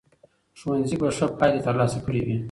ښوونځي به ښه پایلې ترلاسه کړې وي.